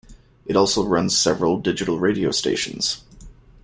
It also runs several digital radio stations.